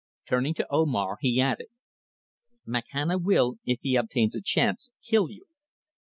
Turning to Omar he added: "Makhana will, if he obtains a chance, kill you.